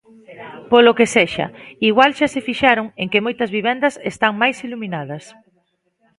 Polo que sexa, igual xa se fixaron en que moitas vivendas están máis iluminadas.